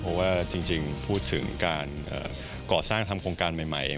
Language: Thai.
เพราะว่าจริงพูดถึงการก่อสร้างทำโครงการใหม่